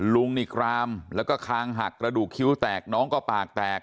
ลุงนี่กรามแล้วก็คางหักกระดูกคิ้วแตกน้องก็ปากแตก